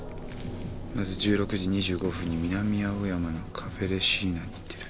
まず１６時２５分に南青山の「カフェレシーナ」に行ってる。